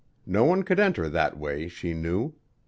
No one could enter that way, she knew.